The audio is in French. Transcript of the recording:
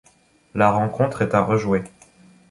La rencontre est à rejouer.